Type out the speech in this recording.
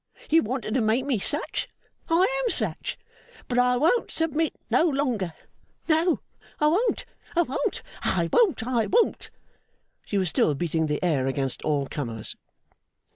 You wanted to make me such, and I am such; but I won't submit no longer; no, I won't, I won't, I won't, I won't!' She was still beating the air against all comers.